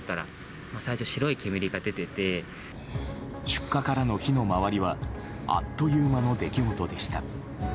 出火からの火の回りはあっという間の出来事でした。